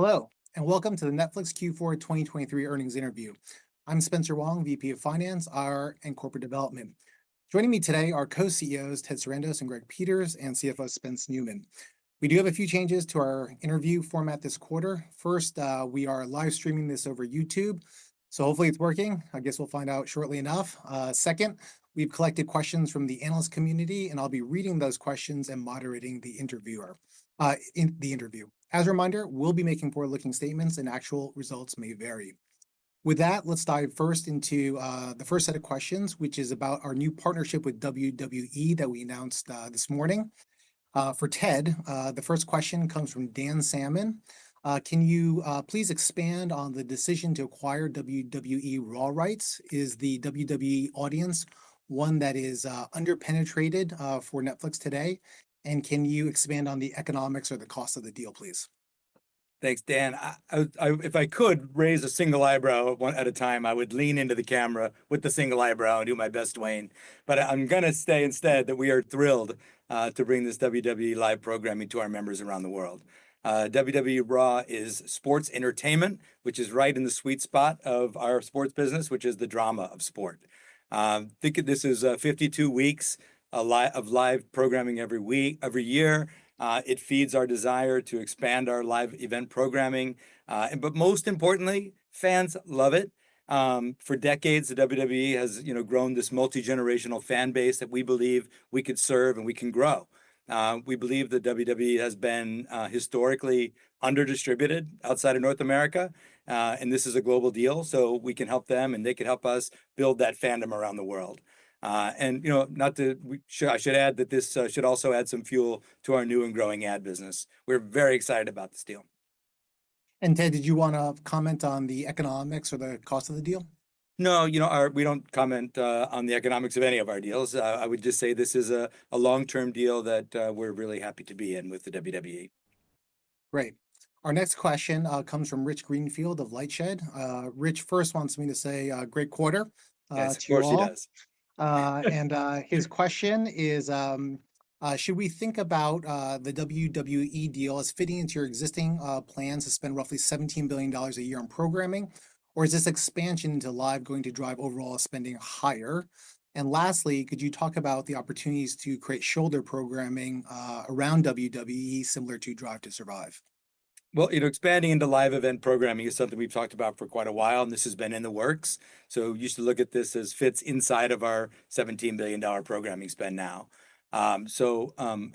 Hello, and welcome to the Netflix Q4 2023 Earnings Interview. I'm Spencer Wang, VP of Finance, IR, and Corporate Development. Joining me today are Co-CEOs Ted Sarandos and Greg Peters, and CFO Spencer Neumann. We do have a few changes to our interview format this quarter. First, we are live streaming this over YouTube, so hopefully it's working. I guess we'll find out shortly enough. Second, we've collected questions from the analyst community, and I'll be reading those questions and moderating the interviewer, in the interview. As a reminder, we'll be making forward-looking statements, and actual results may vary. With that, let's dive first into the first set of questions, which is about our new partnership with WWE that we announced this morning. For Ted, the first question comes from Dan Salmon: "Can you please expand on the decision to acquire WWE Raw rights? Is the WWE audience one that is under-penetrated for Netflix today, and can you expand on the economics or the cost of the deal, please? Thanks, Dan. If I could raise a single eyebrow one at a time, I would lean into the camera with the single eyebrow and do my best Dwayne. But I'm gonna say instead that we are thrilled to bring this WWE live programming to our members around the world. WWE Raw is sports entertainment, which is right in the sweet spot of our sports business, which is the drama of sport. Think of this as 52 weeks of live programming every week, every year. It feeds our desire to expand our live event programming, and but most importantly, fans love it. For decades, the WWE has, you know, grown this multigenerational fan base that we believe we could serve and we can grow. We believe that WWE has been historically under-distributed outside of North America. And this is a global deal. So we can help them, and they can help us build that fandom around the world. And, you know, I should add that this should also add some fuel to our new and growing ad business. We're very excited about this deal. Ted, did you wanna comment on the economics or the cost of the deal? No. You know, we don't comment on the economics of any of our deals. I would just say this is a long-term deal that we're really happy to be in with the WWE. Great. Our next question comes from Rich Greenfield of LightShed. Rich first wants me to say great quarter to you all. Yes, he always does. And, his question is: Should we think about the WWE deal as fitting into your existing plans to spend roughly $17 billion a year on programming, or is this expansion into live going to drive overall spending higher? And lastly, could you talk about the opportunities to create shoulder programming around WWE, similar to Drive to Survive? Well, you know, expanding into live event programming is something we've talked about for quite a while, and this has been in the works. So you should look at this as fits inside of our $17 billion programming spend now. And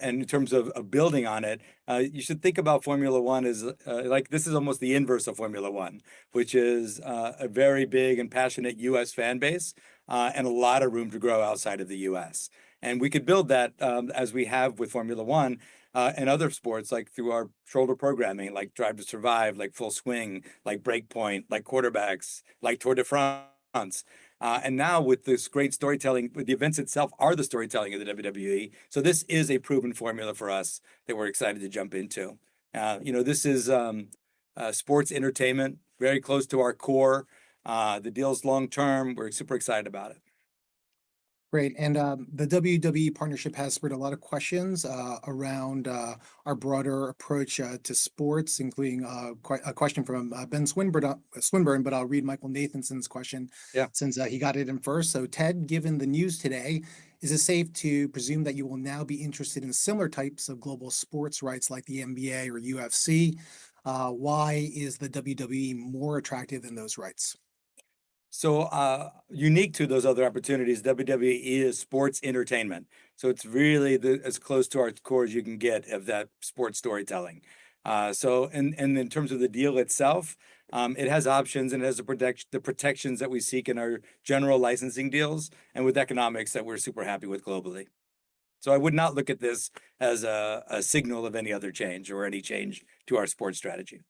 in terms of building on it, you should think about Formula One as... Like, this is almost the inverse of Formula One, which is a very big and passionate U.S. fan base, and a lot of room to grow outside of the U.S. And we could build that, as we have with Formula One, and other sports, like through our shoulder programming, like Drive to Survive, like Full Swing, like Break Point, like Quarterbacks, like Tour de France. And now with this great storytelling, with the events itself are the storytelling of the WWE, so this is a proven formula for us that we're excited to jump into. You know, this is sports entertainment, very close to our core. The deal is long-term. We're super excited about it. Great, and the WWE partnership has spurred a lot of questions around our broader approach to sports, including a question from Ben Swinburne, but I'll read Michael Nathanson's question- Yeah.... since he got it in first. So, Ted, given the news today, is it safe to presume that you will now be interested in similar types of global sports rights, like the NBA or UFC? Why is the WWE more attractive than those rights? So, unique to those other opportunities, WWE is sports entertainment. So it's really as close to our core as you can get of that sports storytelling. And in terms of the deal itself, it has options and it has the protections that we seek in our general licensing deals and with economics that we're super happy with globally. So I would not look at this as a signal of any other change or any change to our sports strategy.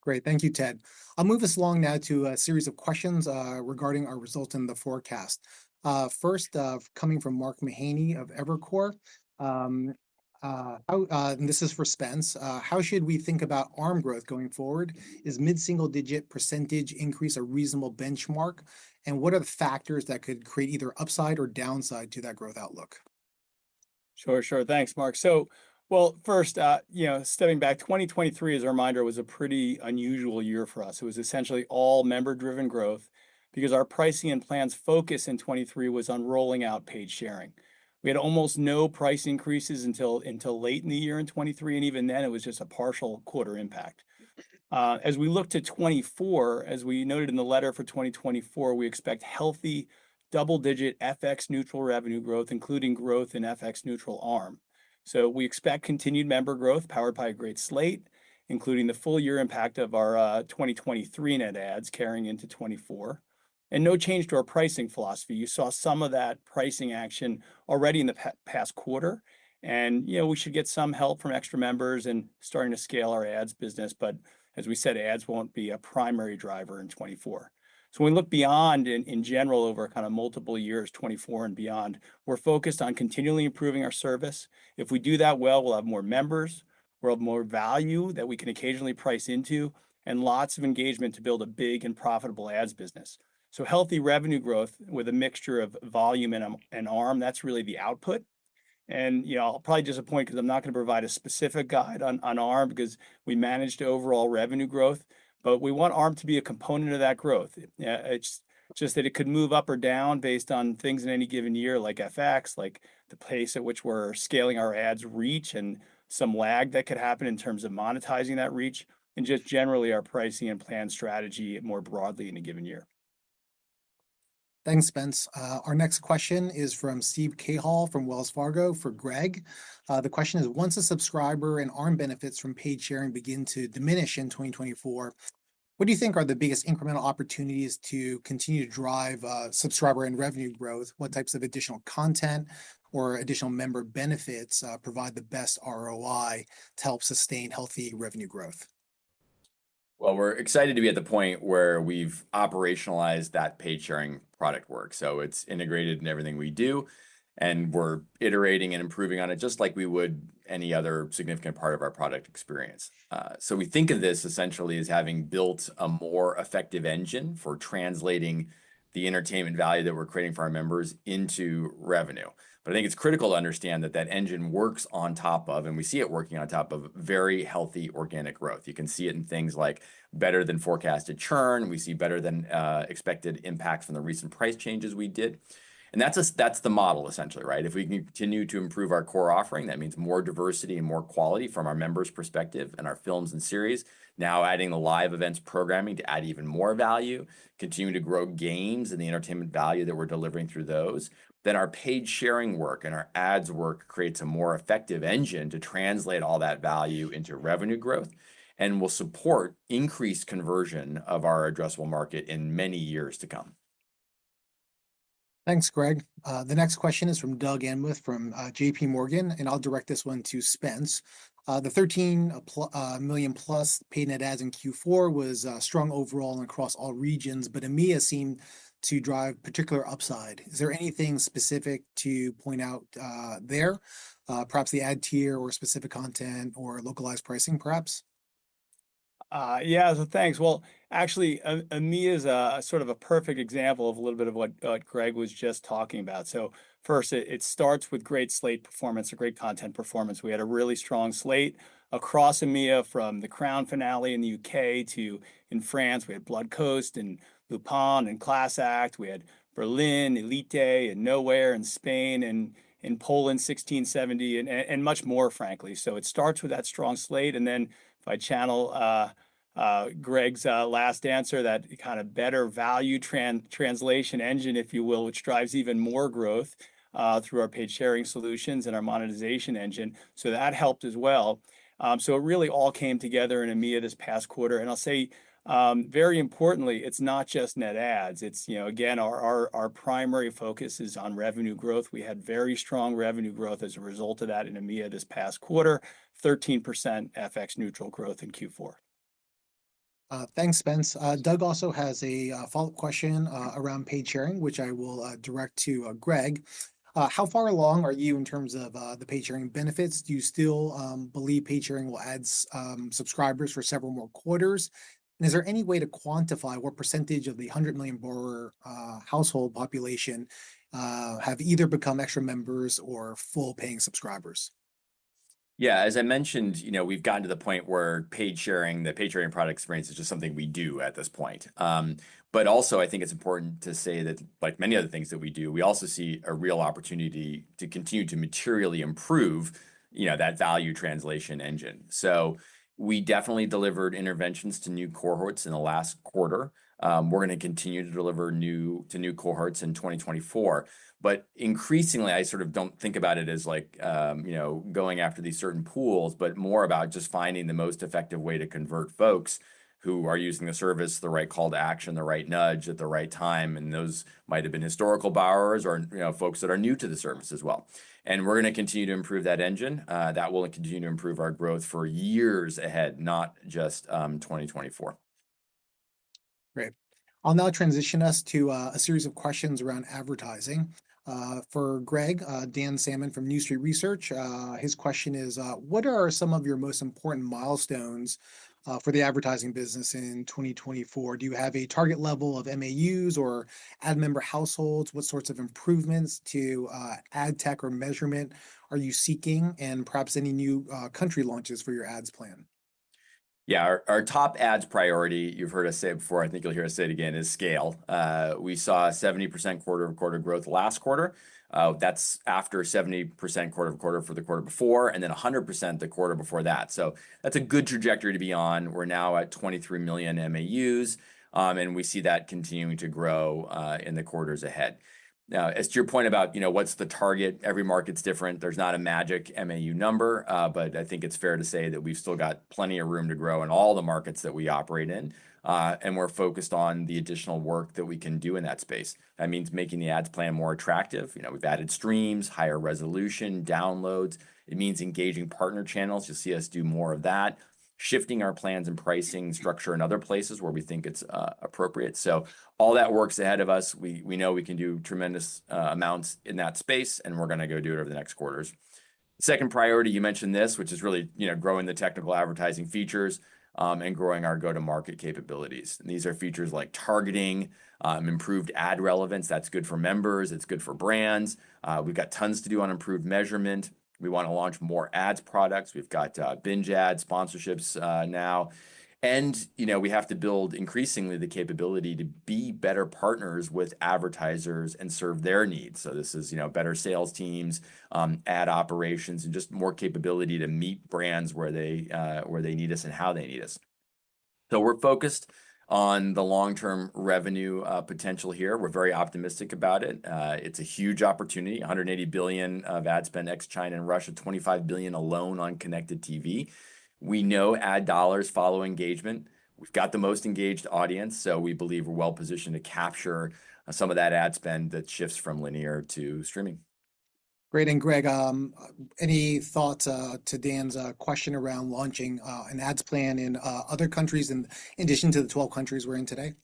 Great. Thank you, Ted. I'll move us along now to a series of questions, regarding our results and the forecast. First, coming from Mark Mahaney of Evercore, and this is for Spence. How should we think about ARM growth going forward? Is mid-single-digit % increase a reasonable benchmark, and what are the factors that could create either upside or downside to that growth outlook? Sure, sure. Thanks, Mark. So, well, first, you know, stepping back 2023, as a reminder, was a pretty unusual year for us. It was essentially all member-driven growth because our pricing and plans focus in 2023 was on rolling out paid sharing. We had almost no price increases until, until late in the year in 2023, and even then, it was just a partial quarter impact. As we look to 2024, as we noted in the letter for 2024, we expect healthy, double-digit FX-neutral revenue growth, including growth in FX-neutral ARM. So we expect continued member growth powered by a great slate, including the full year impact of our 2023 net adds carrying into 2024, and no change to our pricing philosophy. You saw some of that pricing action already in the past quarter, and, you know, we should get some help from extra members and starting to scale our ads business. But as we said, ads won't be a primary driver in 2024. So when we look beyond in general over kind of multiple years 2024 and beyond, we're focused on continually improving our service. If we do that well, we'll have more members. We'll have more value that we can occasionally price into, and lots of engagement to build a big and profitable ads business. So healthy revenue growth with a mixture of volume and and ARM, that's really the output. You know, I'll probably disappoint because I'm not going to provide a specific guide on ARM, because we managed overall revenue growth, but we want ARM to be a component of that growth. It's just that it could move up or down based on things in any given year, like FX, like the pace at which we're scaling our ads reach. And some lag that could happen in terms of monetizing that reach, and just generally, our pricing and plan strategy more broadly in a given year. Thanks, Spence. Our next question is from Steve Cahall from Wells Fargo for Greg. The question is: Once a subscriber and ARM benefits from paid sharing begin to diminish in 2024, what do you think are the biggest incremental opportunities to continue to drive subscriber and revenue growth? What types of additional content or additional member benefits provide the best ROI to help sustain healthy revenue growth? Well, we're excited to be at the point where we've operationalized that paid-sharing product work. So it's integrated in everything we do, and we're iterating and improving on it, just like we would any other significant part of our product experience. So we think of this essentially as having built a more effective engine for translating the entertainment value that we're creating for our members into revenue. But I think it's critical to understand that that engine works on top of and we see it working on top of very healthy organic growth. You can see it in things like better-than-forecasted churn. We see better-than-expected impact from the recent price changes we did. And that's the model, essentially, right? If we continue to improve our core offering, that means more diversity and more quality from our members' perspective in our films and series. Now adding the live events programming to add even more value, continue to grow games and the entertainment value that we're delivering through those. Then our paid sharing work and our ads work creates a more effective engine to translate all that value into revenue growth and will support increased conversion of our addressable market in many years to come. Thanks, Greg. The next question is from Doug Anmuth from JPMorgan, and I'll direct this one to Spence. The 13 million+ paid net adds in Q4 was strong overall and across all regions, but EMEA seemed to drive particular upside. Is there anything specific to point out there, perhaps the ad tier or specific content or localized pricing perhaps? Yeah. So thanks. Well, actually, EMEA is a sort of a perfect example of a little bit of what Greg was just talking about. So first, it starts with great slate performance or great content performance. We had a really strong slate across EMEA from The Crown finale in the U.K. to in France. We had Blood Coast and Lupin and Class Act. We had Berlin, Elite, and Nowhere in Spain and in Poland, 1670, and much more frankly. So it starts with that strong slate, and then by channel Greg's last answer, that kind of better value translation engine, if you will, which drives even more growth through our paid sharing solutions and our monetization engine. So that helped as well. So it really all came together in EMEA this past quarter. And I'll say, very importantly, it's not just net adds. It's, you know, again, our primary focus is on revenue growth. We had very strong revenue growth as a result of that in EMEA this past quarter, 13% FX-neutral growth in Q4. Thanks, Spence. Doug also has a follow-up question around paid sharing, which I will direct to Greg. How far along are you in terms of the paid sharing benefits? Do you still believe paid sharing will add subscribers for several more quarters? And is there any way to quantify what percentage of the 100 million borrower household population have either become extra members or full-paying subscribers? Yeah. As I mentioned, you know, we've gotten to the point where paid sharing, the paid sharing product experience is just something we do at this point. But also I think it's important to say that, like many other things that we do, we also see a real opportunity to continue to materially improve, you know, that value translation engine. So we definitely delivered interventions to new cohorts in the last quarter. We're going to continue to deliver new, to new cohorts in 2024. But increasingly, I sort of don't think about it as like, you know, going after these certain pools, but more about just finding the most effective way to convert folks who are using the service, the right call to action, the right nudge at the right time. And those might have been historical borrowers or, you know, folks that are new to the service as well. And we're going to continue to improve that engine. That will continue to improve our growth for years ahead, not just 2024. Great. I'll now transition us to a series of questions around advertising. For Greg, Dan Salmon from New Street Research. His question is: What are some of your most important milestones for the advertising business in 2024? Do you have a target level of MAUs or ad member households? What sorts of improvements to ad tech or measurement are you seeking, and perhaps any new country launches for your ads plan? Yeah. Our top ads priority, you've heard us say before, I think you'll hear us say it again, is scale. We saw 70% quarter-over-quarter growth last quarter. That's after 70% quarter-over-quarter for the quarter before and then 100% the quarter before that. So that's a good trajectory to be on. We're now at 23 million MAUs, and we see that continuing to grow in the quarters ahead. Now, as to your point about, you know, what's the target? Every market's different. There's not a magic MAU number, but I think it's fair to say that we've still got plenty of room to grow in all the markets that we operate in. And we're focused on the additional work that we can do in that space. That means making the ads plan more attractive. You know, we've added streams, higher resolution, downloads. It means engaging partner channels. You'll see us do more of that. Shifting our plans and pricing structure in other places where we think it's appropriate. So all that works ahead of us. We, we know we can do tremendous amounts in that space, and we're going to go do it over the next quarters. Second priority, you mentioned this, which is really, you know, growing the technical advertising features and growing our go-to-market capabilities. And these are features like targeting, improved ad relevance. That's good for members, it's good for brands. We've got tons to do on improved measurement. We wanna launch more ads products. We've got binge ad sponsorships now. And, you know, we have to build increasingly the capability to be better partners with advertisers and serve their needs. So this is, you know, better sales teams, ad operations. And just more capability to meet brands where they, where they need us and how they need us. So we're focused on the long-term revenue potential here. We're very optimistic about it. It's a huge opportunity, $180 billion of ad spend ex-China and Russia, $25 billion alone on connected TV. We know ad dollars follow engagement. We've got the most engaged audience, so we believe we're well-positioned to capture, some of that ad spend that shifts from linear to streaming. Great. And Greg, any thoughts to Dan's question around launching an ads plan in other countries in addition to the 12 countries we're in today?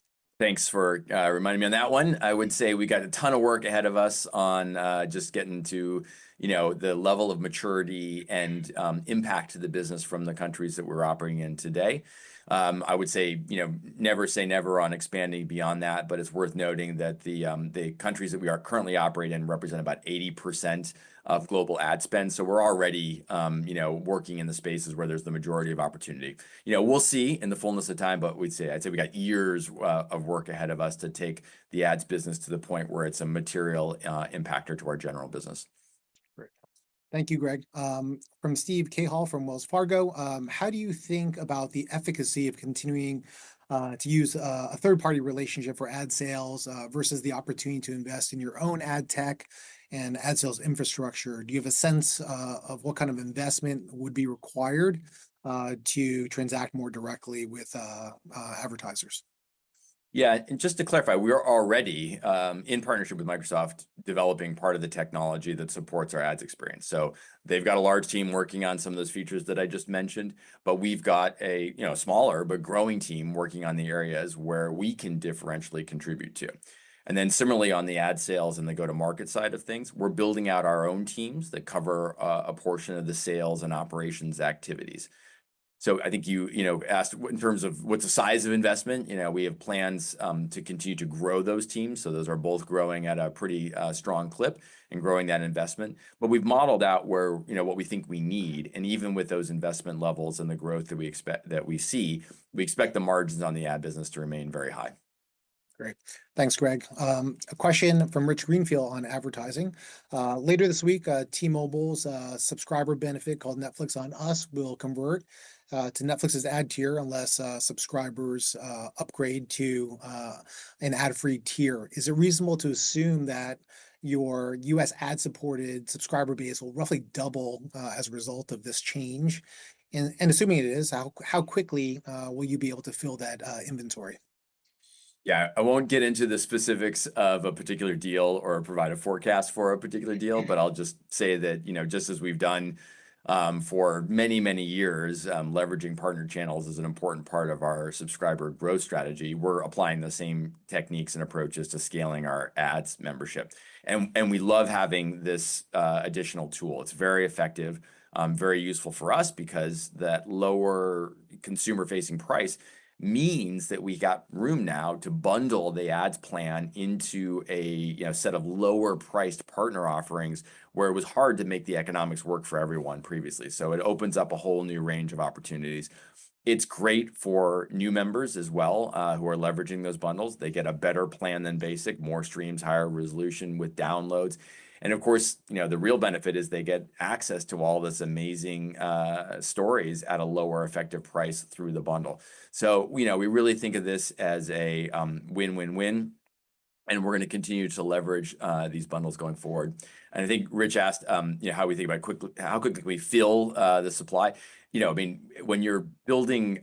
Thanks for reminding me on that one. I would say we got a ton of work ahead of us on just getting to, you know, the level of maturity and impact to the business from the countries that we're operating in today. I would say, you know, never say never on expanding beyond that, but it's worth noting that the countries that we are currently operating in represent about 80% of global ad spend. So we're already, you know, working in the spaces where there's the majority of opportunity. You know, we'll see in the fullness of time, but we'd say, I'd say we got years of work ahead of us to take the ads business to the point where it's a material impacter to our general business. Great. Thank you, Greg. From Steve Cahall from Wells Fargo: How do you think about the efficacy of continuing to use a third-party relationship for ad sales versus the opportunity to invest in your own ad tech and ad sales infrastructure? Do you have a sense of what kind of investment would be required to transact more directly with advertisers? Yeah. And just to clarify, we are already in partnership with Microsoft, developing part of the technology that supports our ads experience. So they've got a large team working on some of those features that I just mentioned, but we've got a, you know, smaller but growing team working on the areas where we can differentially contribute to. And then similarly, on the ad sales and the go-to-market side of things, we're building out our own teams that cover a portion of the sales and operations activities. So I think you know asked in terms of what's the size of investment, you know, we have plans to continue to grow those teams, so those are both growing at a pretty strong clip and growing that investment. But we've modeled out where, you know, what we think we need, and even with those investment levels and the growth that we expect, that we see, we expect the margins on the ad business to remain very high. Great. Thanks, Greg. A question from Rich Greenfield on advertising: "Later this week, T-Mobile's subscriber benefit, called Netflix on Us, will convert to Netflix's ad tier unless subscribers upgrade to an ad-free tier. Is it reasonable to assume that your U.S. ad-supported subscriber base will roughly double as a result of this change? And assuming it is, how quickly will you be able to fill that inventory? Yeah, I won't get into the specifics of a particular deal or provide a forecast for a particular deal. But I'll just say that, you know, just as we've done for many, many years, leveraging partner channels is an important part of our subscriber growth strategy. We're applying the same techniques and approaches to scaling our ads membership, and we love having this additional tool. It's very effective, very useful for us because that lower consumer-facing price means that we got room now to bundle the ads plan into a, you know, set of lower-priced partner offerings, where it was hard to make the economics work for everyone previously. So it opens up a whole new range of opportunities. It's great for new members as well, who are leveraging those bundles. They get a better plan than Basic, more streams, higher resolution with downloads. And of course, you know, the real benefit is they get access to all these amazing stories at a lower effective price through the bundle. So, you know, we really think of this as a win-win-win, and we're gonna continue to leverage these bundles going forward. And I think Rich asked, you know, how we think about how quickly we fill the supply. You know, I mean, when you're building,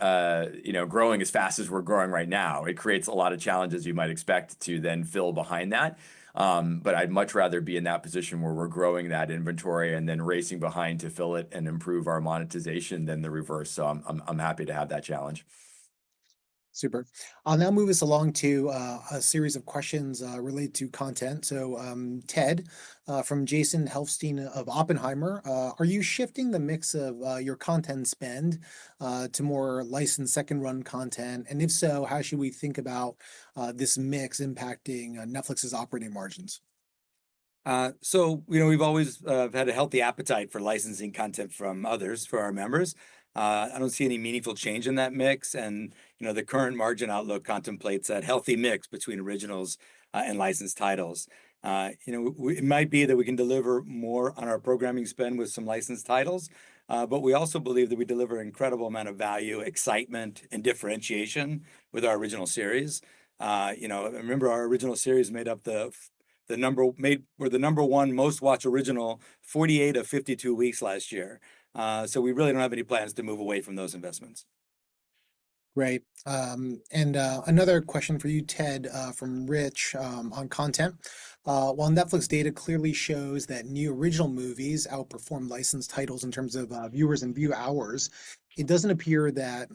you know, growing as fast as we're growing right now, it creates a lot of challenges you might expect to then fill behind that. But I'd much rather be in that position where we're growing that inventory and then racing behind to fill it and improve our monetization than the reverse. So I'm happy to have that challenge. Super. I'll now move us along to a series of questions related to content. So, Ted, from Jason Helfstein of Oppenheimer: Are you shifting the mix of your content spend to more licensed second-run content? And if so, how should we think about this mix impacting Netflix's operating margins? So, you know, we've always had a healthy appetite for licensing content from others for our members. I don't see any meaningful change in that mix. You know, the current margin outlook contemplates that healthy mix between originals and licensed titles. You know, it might be that we can deliver more on our programming spend with some licensed titles, but we also believe that we deliver an incredible amount of value, excitement, and differentiation with our original series. You know, remember, our original series were the number one most watched original 48 of 52 weeks last year. So we really don't have any plans to move away from those investments. Great. And another question for you, Ted, from Rich, on content: While Netflix data clearly shows that new original movies outperform licensed titles in terms of viewers and view hours, it doesn't appear that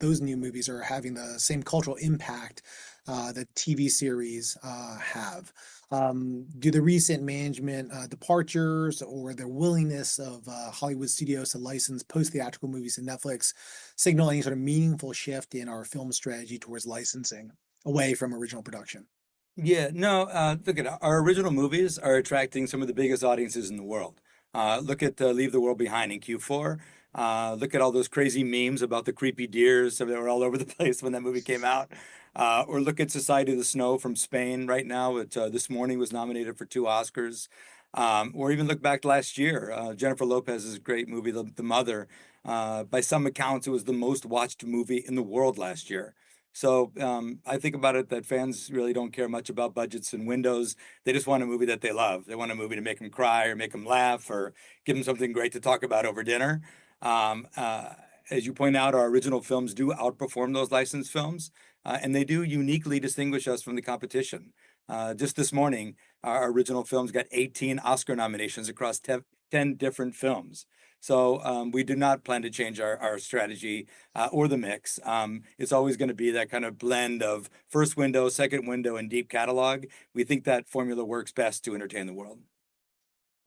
those new movies are having the same cultural impact that TV series have. Do the recent management departures or the willingness of Hollywood studios to license post-theatrical movies in Netflix signal any sort of meaningful shift in our film strategy towards licensing away from original production? Yeah. No, look at it. Our original movies are attracting some of the biggest audiences in the world. Look at Leave the World Behind in Q4. Look at all those crazy memes about the creepy deers that were all over the place when that movie came out. Or look at Society of the Snow from Spain right now, which this morning was nominated for two Oscars. Or even look back last year. Jennifer Lopez's great movie, The Mother, by some accounts, it was the most watched movie in the world last year. So, I think about it that fans really don't care much about budgets and windows, they just want a movie that they love. They want a movie to make them cry or make them laugh, or give them something great to talk about over dinner. As you point out, our original films do outperform those licensed films, and they do uniquely distinguish us from the competition. Just this morning, our original films got 18 Oscar nominations across 10 different films. So, we do not plan to change our strategy, or the mix. It's always gonna be that kind of blend of first window, second window, and deep catalogue. We think that formula works best to entertain the world.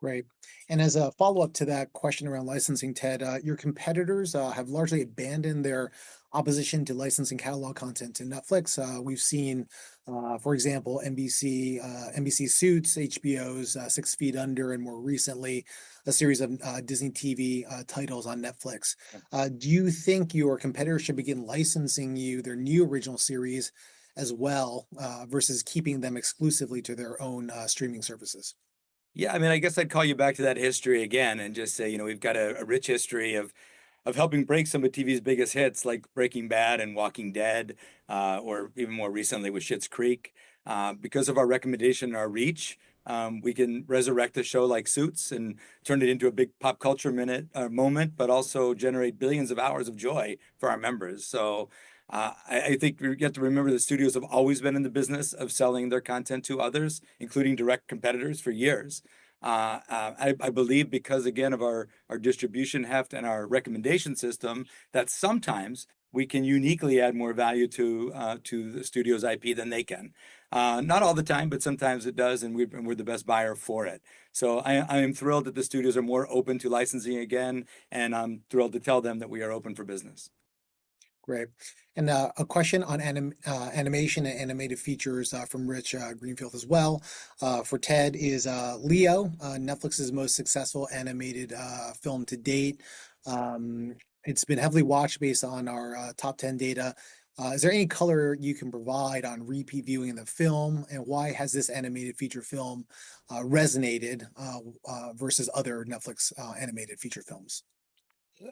Great. As a follow-up to that question around licensing, Ted, your competitors have largely abandoned their opposition to licensing catalog content to Netflix. We've seen, for example, NBC's Suits, HBO's Six Feet Under, and more recently, a series of Disney TV titles on Netflix. Yeah. Do you think your competitors should begin licensing you their new original series as well, versus keeping them exclusively to their own streaming services? Yeah. I mean, I guess I'd call you back to that history again and just say, you know, we've got a rich history of helping break some of TV's biggest hits, like Breaking Bad and Walking Dead, or even more recently with Schitt's Creek. Because of our recommendation and our reach, we can resurrect a show like Suits and turn it into a big pop culture minute, moment, but also generate billions of hours of joy for our members. So, I think we've got to remember that studios have always been in the business of selling their content to others, including direct competitors for years. I believe, because again, of our distribution heft and our recommendation system, that sometimes we can uniquely add more value to the studio's IP than they can. Not all the time, but sometimes it does, and we're the best buyer for it. So I am thrilled that the studios are more open to licensing again, and I'm thrilled to tell them that we are open for business. Great. And, a question on animation and animated features from Rich Greenfield as well for Ted is: Leo, Netflix's most successful animated film to date, it's been heavily watched based on our top ten data. Is there any color you can provide on repeat viewing of the film, and why has this animated feature film resonated versus other Netflix animated feature films?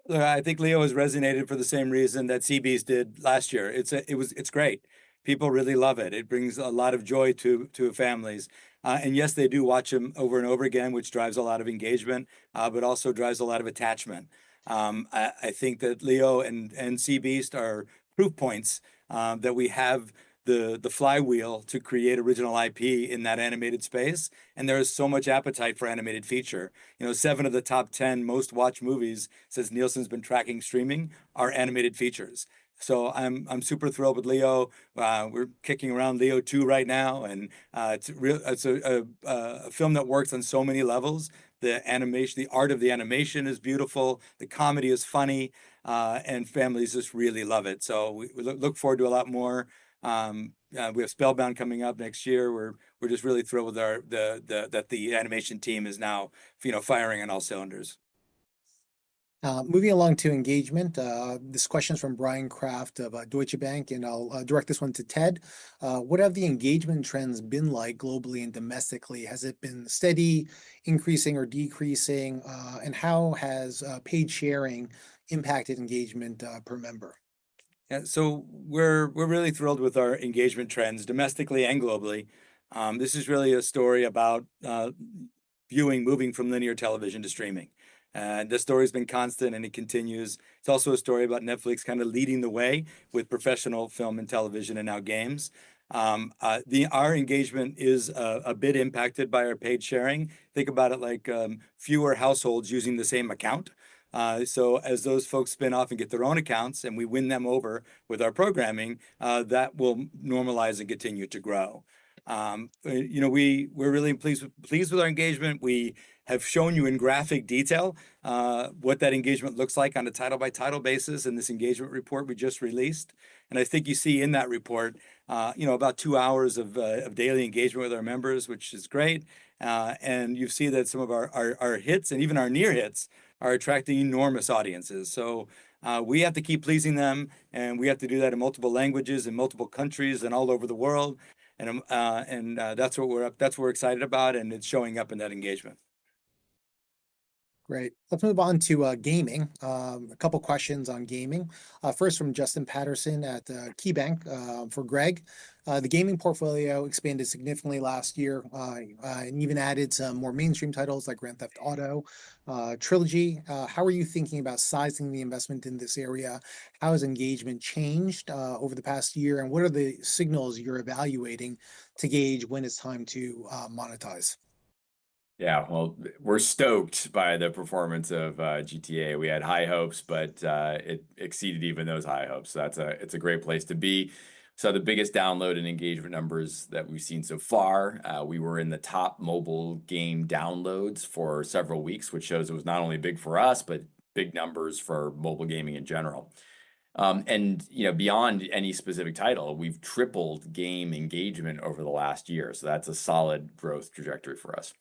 I think Leo has resonated for the same reason that Sea Beast did last year. It's great. People really love it. It brings a lot of joy to families. And yes, they do watch them over and over again, which drives a lot of engagement, but also drives a lot of attachment. I think that Leo and Sea Beast are proof points that we have the flywheel to create original IP in that animated space, and there is so much appetite for animated feature. You know, seven of the top 10 most-watched movies, since Nielsen's been tracking streaming, are animated features. So I'm super thrilled with Leo. We're kicking around Leo 2 right now, and it's a film that works on so many levels. The animation, the art of the animation is beautiful, the comedy is funny, and families just really love it. So we look forward to a lot more. We have Spellbound coming up next year. We're just really thrilled with our animation team that is now, you know, firing on all cylinders. Moving along to engagement, this question is from Bryan Kraft of Deutsche Bank, and I'll direct this one to Ted. What have the engagement trends been like globally and domestically? Has it been steady, increasing, or decreasing? And how has paid sharing impacted engagement per member? Yeah, so we're really thrilled with our engagement trends, domestically and globally. This is really a story about viewing, moving from linear television to streaming. And the story's been constant, and it continues. It's also a story about Netflix kind of leading the way with professional film and television and now games. Our engagement is a bit impacted by our paid sharing. Think about it like fewer households using the same account. So as those folks spin off and get their own accounts, and we win them over with our programming, that will normalize and continue to grow. You know, we're really pleased with our engagement. We have shown you in graphic detail what that engagement looks like on a title-by-title basis in this engagement report we just released. I think you see in that report, you know, about two hours of daily engagement with our members, which is great. And you see that some of our hits and even our near hits are attracting enormous audiences. So, we have to keep pleasing them, and we have to do that in multiple languages and multiple countries and all over the world. And that's what we're excited about, and it's showing up in that engagement. Great. Let's move on to gaming. A couple questions on gaming. First from Justin Patterson at KeyBanc, for Greg. The gaming portfolio expanded significantly last year, and even added some more mainstream titles like Grand Theft Auto Trilogy. How are you thinking about sizing the investment in this area? How has engagement changed over the past year, and what are the signals you're evaluating to gauge when it's time to monetize? Yeah, well, we're stoked by the performance of GTA. We had high hopes, but it exceeded even those high hopes. So that's a great place to be. So the biggest download and engagement numbers that we've seen so far, we were in the top mobile game downloads for several weeks, which shows it was not only big for us, but big numbers for mobile gaming in general. And, you know, beyond any specific title, we've tripled game engagement over the last year, so that's a solid growth trajectory for us.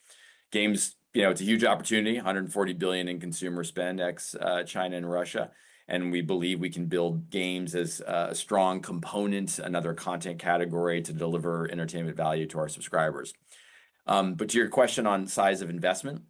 Games, you know, it's a huge opportunity, $140 billion in consumer spend ex-China and Russia, and we believe we can build games as a strong component, another content category to deliver entertainment value to our subscribers. But to your question on size of investment,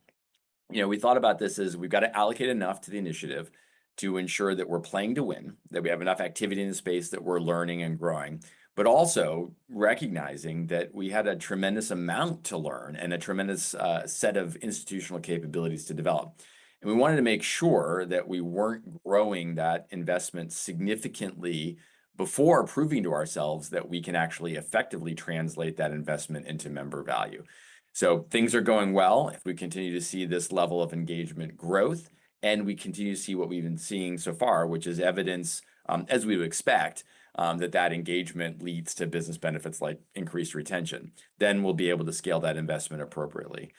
you know, we thought about this as we've got to allocate enough to the initiative to ensure that we're playing to win, that we have enough activity in the space, that we're learning and growing. But also recognizing that we had a tremendous amount to learn and a tremendous set of institutional capabilities to develop. And we wanted to make sure that we weren't growing that investment significantly before proving to ourselves that we can actually effectively translate that investment into member value. So things are going well. If we continue to see this level of engagement growth, and we continue to see what we've been seeing so far, which is evidence, as we would expect, that that engagement leads to business benefits like increased retention, then we'll be able to scale that investment appropriately.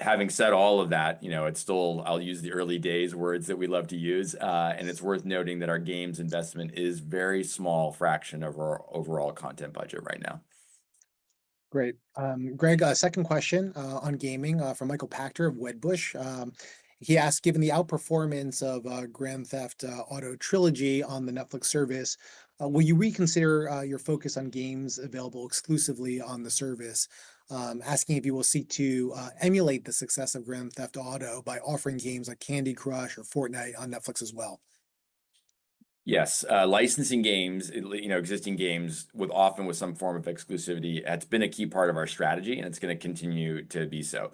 Having said all of that, you know, it's still—I'll use the early days words that we love to use, and it's worth noting that our games investment is very small fraction of our overall content budget right now. Great. Greg, a second question on gaming from Michael Pachter of Wedbush. He asked, "Given the outperformance of Grand Theft Auto trilogy on the Netflix service, will you reconsider your focus on games available exclusively on the service?" Asking if you will seek to emulate the success of Grand Theft Auto by offering games like Candy Crush or Fortnite on Netflix as well. Yes. Licensing games, it, you know, existing games with, often with some form of exclusivity, that's been a key part of our strategy, and it's gonna continue to be so.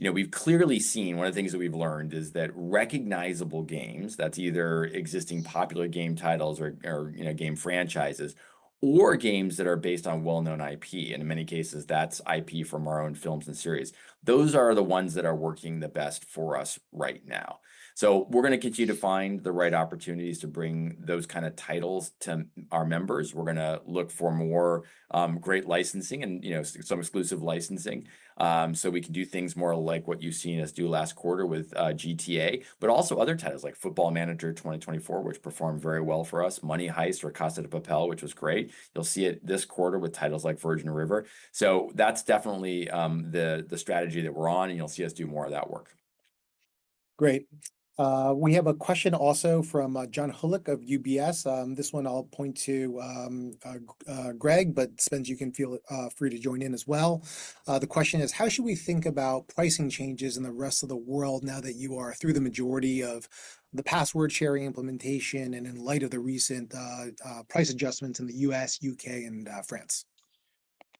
You know, we've clearly seen, one of the things that we've learned is that recognizable games, that's either existing popular game titles or, or, you know, game franchises, or games that are based on well-known IP, and in many cases, that's IP from our own films and series. Those are the ones that are working the best for us right now. So we're gonna continue to find the right opportunities to bring those kind of titles to our members. We're gonna look for more, great licensing and, you know, some exclusive licensing. So we can do things more like what you've seen us do last quarter with GTA, but also other titles, like Football Manager 2024, which performed very well for us. Money Heist or Casa de Papel, which was great. You'll see it this quarter with titles like Virgin River. So that's definitely the strategy that we're on, and you'll see us do more of that work. Great. We have a question also from John Hodulik of UBS. This one I'll point to Greg, but Spence, you can feel free to join in as well. The question is: "How should we think about pricing changes in the rest of the world now that you are through the majority of the password-sharing implementation and in light of the recent price adjustments in the U.S., U.K., and France?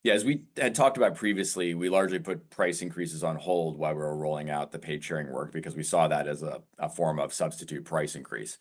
Yeah, as we had talked about previously, we largely put price increases on hold while we were rolling out the paid sharing work because we saw that as a form of substitute price increase.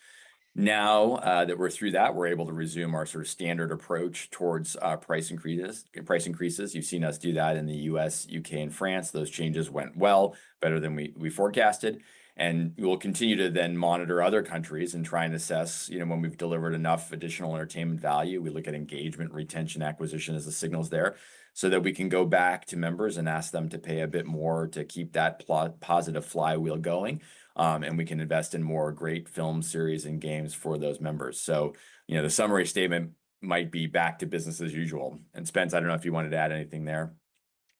Now, that we're through that, we're able to resume our sort of standard approach towards price increases, price increases. You've seen us do that in the U.S., U.K., and France. Those changes went well, better than we forecasted, and we will continue to then monitor other countries and try and assess, you know, when we've delivered enough additional entertainment value. We look at engagement, retention, acquisition as the signals there, so that we can go back to members and ask them to pay a bit more to keep that plot-positive flywheel going. And we can invest in more great film series and games for those members. You know, the summary statement might be back to business as usual. Spence, I don't know if you wanted to add anything there.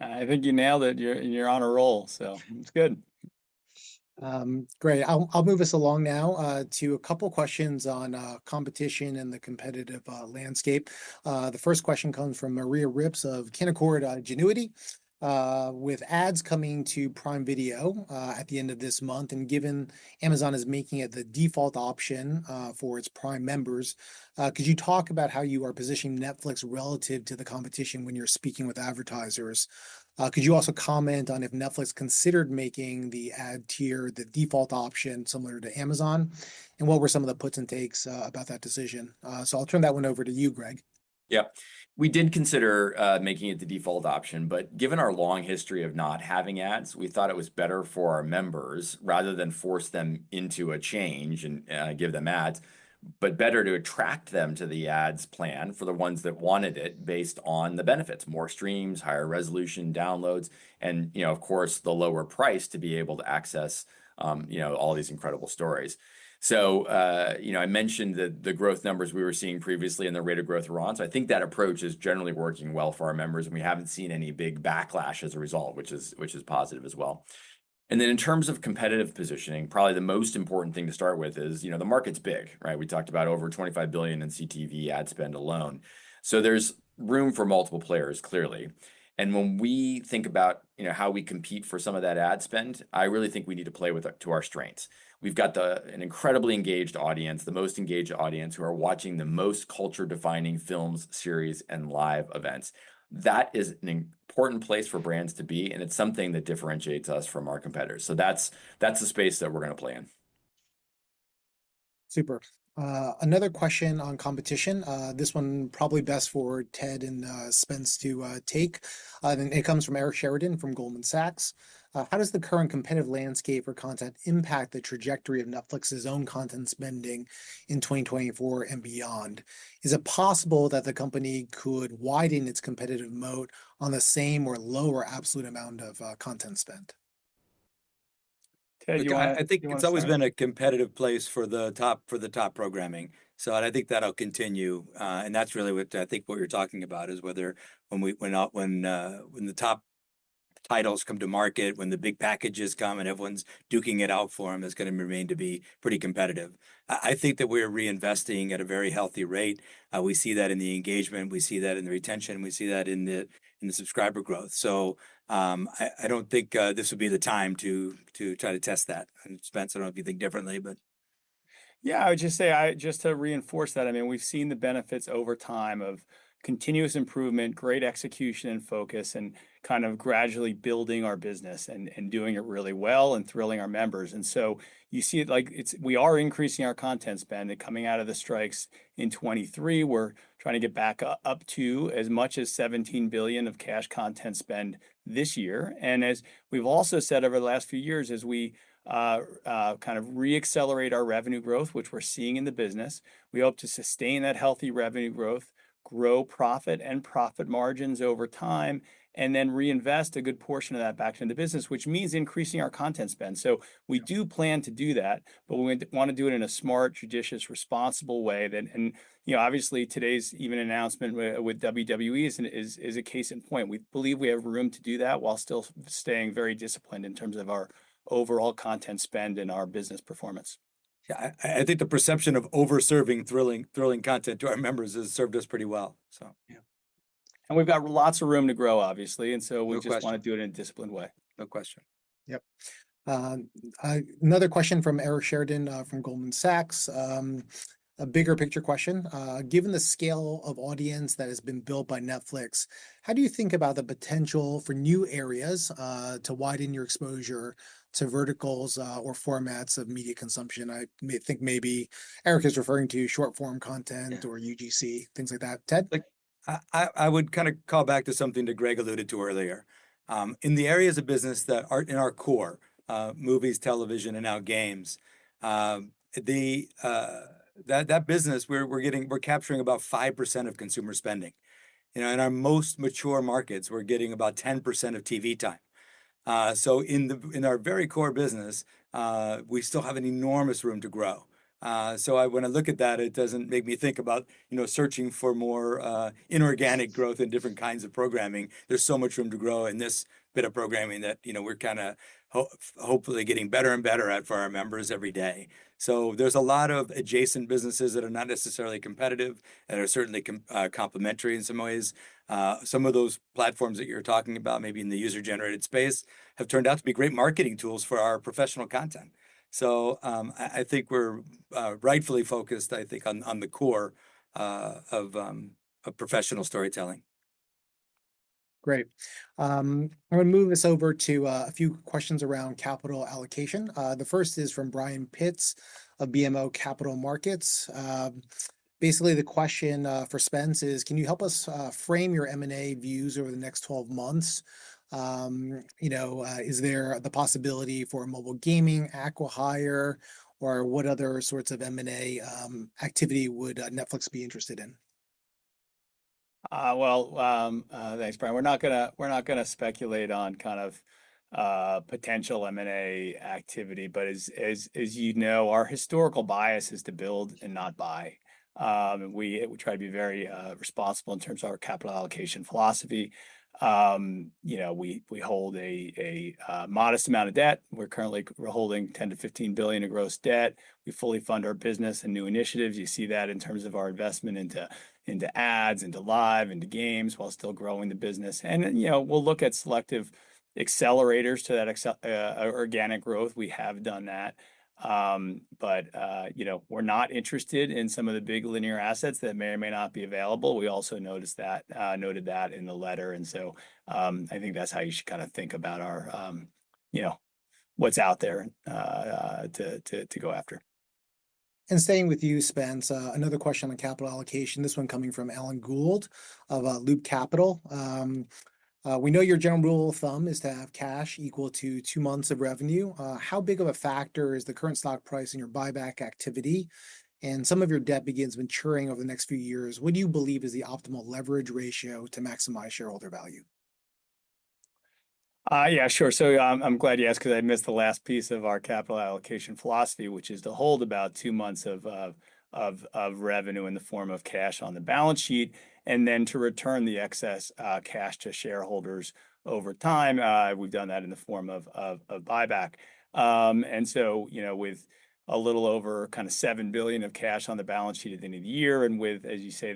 I think you nailed it. You're on a roll, so it's good. Great. I'll move us along now to a couple of questions on competition and the competitive landscape. The first question comes from Maria Ripps of Canaccord Genuity: "With ads coming to Prime Video at the end of this month, and given Amazon is making it the default option for its Prime members, could you talk about how you are positioning Netflix relative to the competition when you're speaking with advertisers? Could you also comment on if Netflix considered making the ad tier the default option, similar to Amazon, and what were some of the puts and takes about that decision?" So I'll turn that one over to you, Greg. Yeah. We did consider making it the default option. But given our long history of not having ads, we thought it was better for our members, rather than force them into a change and give them ads. But better to attract them to the ads plan for the ones that wanted it, based on the benefits: more streams, higher resolution, downloads, and, you know, of course, the lower price to be able to access, you know, all these incredible stories. So, you know, I mentioned the growth numbers we were seeing previously and the rate of growth we're on. So I think that approach is generally working well for our members, and we haven't seen any big backlash as a result, which is positive as well. In terms of competitive positioning, probably the most important thing to start with is, you know, the market's big, right? We talked about over $25 billion in CTV ad spend alone. So there's room for multiple players, clearly. When we think about, you know, how we compete for some of that ad spend, I really think we need to play to our strengths. We've got an incredibly engaged audience, the most engaged audience, who are watching the most culture-defining films, series, and live events. That is an important place for brands to be, and it's something that differentiates us from our competitors. So that's the space that we're gonna play in. Super. Another question on competition, this one probably best for Ted and, Spence to take. It comes from Eric Sheridan from Goldman Sachs. "How does the current competitive landscape or content impact the trajectory of Netflix's own content spending in 2024 and beyond? Is it possible that the company could widen its competitive moat on the same or lower absolute amount of content spend? Ted, you wanna- Look, I think it's always been a competitive place for the top programming. So, I think that'll continue. And that's really what I think you're talking about is whether, when the top titles come to market, when the big packages come, and everyone's duking it out for them, it's gonna remain to be pretty competitive. I think that we're reinvesting at a very healthy rate. We see that in the engagement, we see that in the retention, we see that in the subscriber growth. So, I don't think this would be the time to try to test that. And Spence, I don't know if you think differently, but... Yeah, I would just say, just to reinforce that, I mean, we've seen the benefits over time of continuous improvement, great execution, and focus, and kind of gradually building our business and doing it really well and thrilling our members. And so you see, like, it's we are increasing our content spend and coming out of the strikes in 2023, we're trying to get back up to as much as $17 billion of cash content spend this year. And as we've also said over the last few years, as we kind of re-accelerate our revenue growth, which we're seeing in the business, we hope to sustain that healthy revenue growth, grow profit and profit margins over time, and then reinvest a good portion of that back into the business, which means increasing our content spend. So we do plan to do that, but we want to do it in a smart, judicious, responsible way that... And, you know, obviously, today's event announcement with WWE is a case in point. We believe we have room to do that while still staying very disciplined in terms of our overall content spend and our business performance. Yeah, I think the perception of over-serving thrilling content to our members has served us pretty well. So, yeah. And we've got lots of room to grow, obviously, and so- No question.... we just wanna do it in a disciplined way. No question. Yep. Another question from Eric Sheridan from Goldman Sachs. A bigger picture question: "Given the scale of audience that has been built by Netflix, how do you think about the potential for new areas to widen your exposure to verticals or formats of media consumption?" I may think maybe Eric is referring to short-form content- Yeah.... or UGC, things like that. Ted? Like, I would kind of call back to something that Greg alluded to earlier. In the areas of business that are in our core, movies, television, and now games, the business we're capturing about 5% of consumer spending. You know, in our most mature markets, we're getting about 10% of TV time. So in our very core business, we still have an enormous room to grow. So when I look at that, it doesn't make me think about, you know, searching for more inorganic growth in different kinds of programming. There's so much room to grow in this bit of programming that, you know, we're kind of hopefully getting better and better at for our members every day. So there's a lot of adjacent businesses that are not necessarily competitive and are certainly complementary in some ways. Some of those platforms that you're talking about, maybe in the user-generated space, have turned out to be great marketing tools for our professional content. So, I think we're rightfully focused, I think, on the core of a professional storytelling. Great. I'm gonna move us over to a few questions around capital allocation. The first is from Brian Pitts of BMO Capital Markets. Basically, the question for Spence is: "Can you help us frame your M&A views over the next 12 months? You know, is there the possibility for a mobile gaming acqui-hire, or what other sorts of M&A activity would Netflix be interested in? Well, thanks, Brian. We're not gonna speculate on kind of potential M&A activity. But as you know, our historical bias is to build and not buy. We try to be very responsible in terms of our capital allocation philosophy. You know, we hold a modest amount of debt. We're currently holding $10 billion-$15 billion of gross debt. We fully fund our business and new initiatives. You see that in terms of our investment into ads, into live, into games, while still growing the business. And then, you know, we'll look at selective accelerators to that organic growth. We have done that. But you know, we're not interested in some of the big linear assets that may or may not be available. We also noticed that noted that in the letter, and so, I think that's how you should kind of think about our, you know, what's out there to go after. And staying with you, Spence. Another question on capital allocation. This one coming from Alan Gould of Loop Capital. "We know your general rule of thumb is to have cash equal to two months of revenue. How big of a factor is the current stock price in your buyback activity? And some of your debt begins maturing over the next few years. What do you believe is the optimal leverage ratio to maximize shareholder value? Yeah, sure. So I'm glad you asked because I missed the last piece of our capital allocation philosophy, which is to hold about two months of of revenue in the form of cash on the balance sheet, and then to return the excess cash to shareholders over time. We've done that in the form of buyback. And so, you know, with a little over kinda $7 billion of cash on the balance sheet at the end of the year. And with, as you say,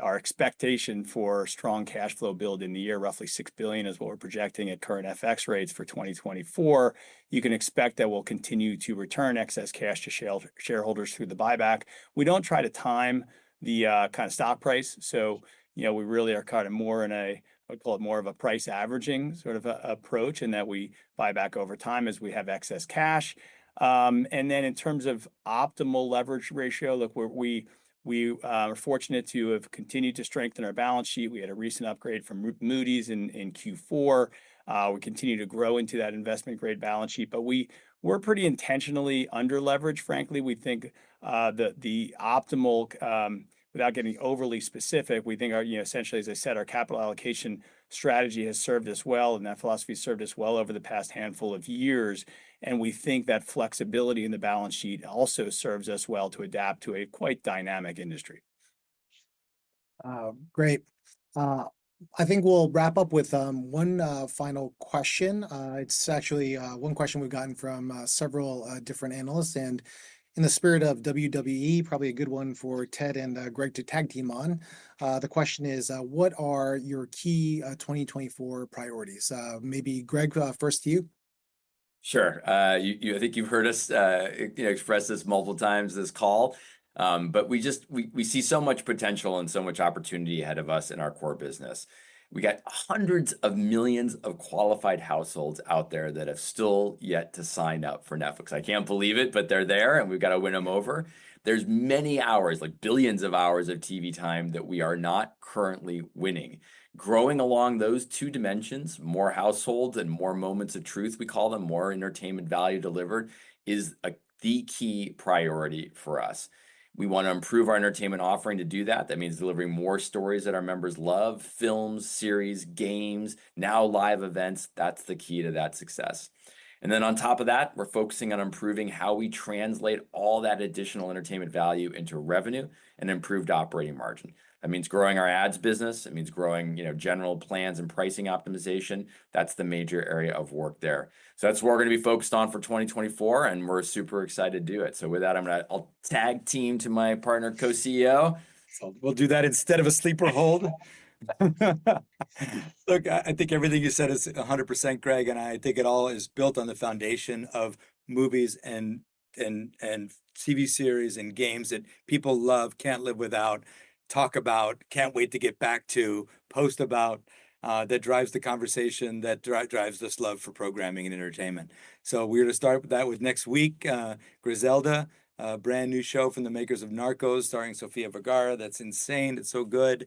our expectation for strong cash flow build in the year, roughly $6 billion is what we're projecting at current FX rates for 2024. You can expect that we'll continue to return excess cash to shareholders through the buyback. We don't try to time the kinda stock price, so, you know, we really are kinda more in a, I'd call it more of a price averaging sort of approach, in that we buy back over time as we have excess cash. And then in terms of optimal leverage ratio, look, we are fortunate to have continued to strengthen our balance sheet. We had a recent upgrade from Moody's in Q4. We continue to grow into that investment-grade balance sheet, but we're pretty intentionally under-leveraged, frankly. We think the optimal, without getting overly specific, we think our, you know, essentially as I said, our capital allocation strategy has served us well, and that philosophy has served us well over the past handful of years. We think that flexibility in the balance sheet also serves us well to adapt to a quite dynamic industry. Great. I think we'll wrap up with one final question. It's actually one question we've gotten from several different analysts, and in the spirit of WWE, probably a good one for Ted and Greg to tag team on. The question is: "What are your key 2024 priorities?" Maybe Greg first to you. Sure. I think you've heard us, you know, express this multiple times this call. But we just, we see so much potential and so much opportunity ahead of us in our core business. We got hundreds of millions of qualified households out there that have still yet to sign up for Netflix. I can't believe it, but they're there, and we've gotta win them over. There's many hours, like, billions of hours of TV time, that we are not currently winning. Growing along those two dimensions, more households and more moments of truth, we call them more entertainment value delivered, is the key priority for us. We want to improve our entertainment offering to do that. That means delivering more stories that our members love: films, series, games, now live events. That's the key to that success. And then, on top of that, we're focusing on improving how we translate all that additional entertainment value into revenue and improved operating margin. That means growing our ads business. It means growing, you know, general plans and pricing optimization. That's the major area of work there. So that's what we're gonna be focused on for 2024, and we're super excited to do it. So with that, I'll tag team to my partner, Co-CEO. We'll do that instead of a sleeper hold. Look, I think everything you said is 100%, Greg, and I think it all is built on the foundation of movies and TV series and games that people love, can't live without, talk about, can't wait to get back to, post about, that drives the conversation, that drives this love for programming and entertainment. So we're gonna start that with next week, Griselda, a brand-new show from the makers of Narcos, starring Sofia Vergara. That's insane. It's so good.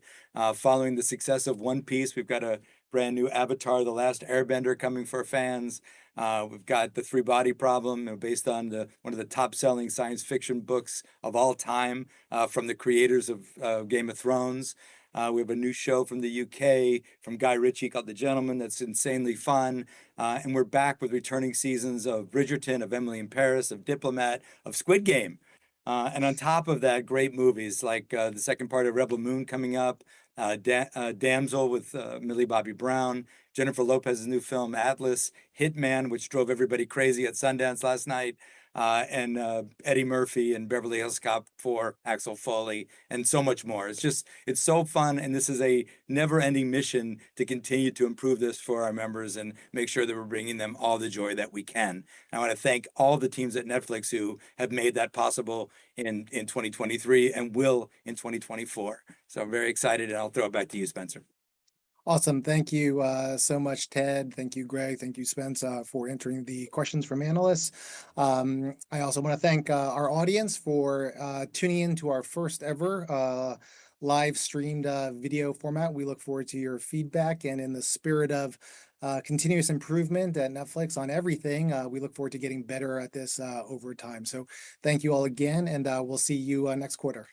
Following the success of One Piece, we've got a brand-new Avatar: The Last Airbender coming for fans. We've got the 3 Body Problem, you know, based on one of the top-selling science fiction books of all time from the creators of Game of Thrones. We have a new show from the U.K., from Guy Ritchie, called The Gentlemen, that's insanely fun. And we're back with returning seasons of Bridgerton, of Emily in Paris, of Diplomat, of Squid Game. And on top of that, great movies like the second part of Rebel Moon coming up, Damsel with Millie Bobby Brown, Jennifer Lopez's new film, Atlas. Hit Man, which drove everybody crazy at Sundance last night, and Eddie Murphy in Beverly Hills Cop 4: Axel Foley, and so much more. It's just, it's so fun, and this is a never-ending mission to continue to improve this for our members and make sure that we're bringing them all the joy that we can. And I wanna thank all the teams at Netflix who have made that possible in 2023 and will in 2024. I'm very excited, and I'll throw it back to you, Spencer. Awesome. Thank you, so much, Ted. Thank you, Greg. Thank you, Spence, for answering the questions from analysts. I also wanna thank our audience for tuning in to our first ever live-streamed video format. We look forward to your feedback. And in the spirit of continuous improvement at Netflix on everything, we look forward to getting better at this over time. So thank you all again, and we'll see you next quarter.